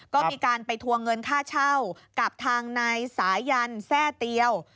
ก็มีการไปทวงเงินค่าเช่ากับทางนายสายันแทร่เตียว